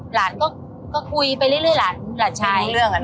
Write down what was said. หลานก็ก็คุยไปเรื่อยเรื่อยหลานหลานชายไม่รู้เรื่องอะน้อง